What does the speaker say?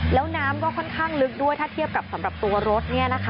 แล้วน้ำก็ค่อนข้างลึกด้วยถ้าเทียบกับสำหรับตัวรถ